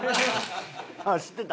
ああ知ってた？